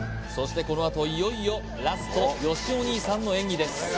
そしてこのあといよいよラストよしお兄さんの演技です